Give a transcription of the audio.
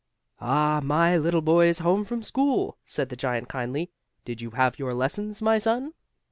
"Ah, my little boy is home from school," said the giant, kindly. "Did you have your lessons, my son?"